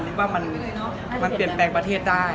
คิดว่ามันเปลี่ยนแปลงประเทศได้